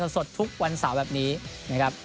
สดทุกวันเสาร์แบบนี้นะครับ